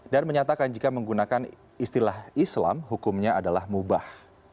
dan menyatakan jika menggunakan istilah islam hukumnya adalah mubah